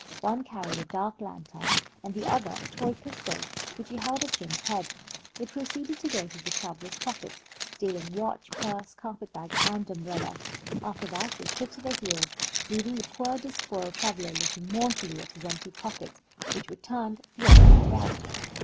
One carried a dark lantern and the other a toy pistol, which he held at Jim's head. They proceeded to go through the traveller's pockets, stealing watch, purse, carpet bag, and umbrella. After that they took to their heels, leaving the poor despoiled traveller looking mournfully at his empty pockets, which were turned wrong side out.